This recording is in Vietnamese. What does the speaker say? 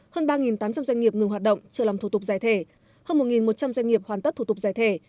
hơn ba tám trăm linh doanh nghiệp ngừng hoạt động chờ làm thủ tục giải thể hơn một một trăm linh doanh nghiệp hoàn tất thủ tục giải thể